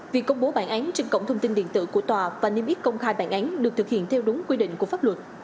việc công bố bản án trên cổng thông tin điện tử của tòa và niêm yết công khai bản án được thực hiện theo đúng quy định của pháp luật